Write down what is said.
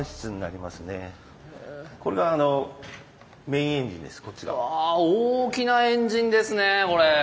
これは大きなエンジンですねこれ。